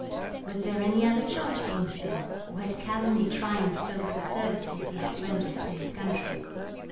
Was there any other charge against him, or had calumny triumphed over the services he had rendered to his country?